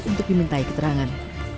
untuk diminta ikut terangan